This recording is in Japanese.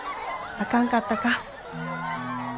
あかんかったか。